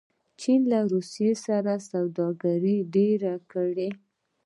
چین له روسیې سره سوداګري ډېره کړې.